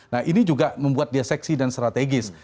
nah ini juga membuat dia seksi dan strategis